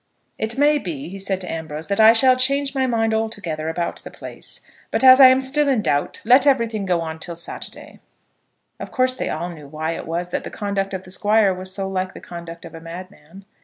"It may be," said he to Ambrose, "that I shall change my mind altogether about the place; but as I am still in doubt, let everything go on till Saturday." Of course they all knew why it was that the conduct of the Squire was so like the conduct of a madman.